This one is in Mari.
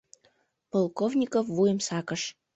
Полковников вуйым сакыш.